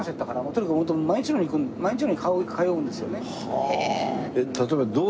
とにかくホント毎日のように通うんですよね。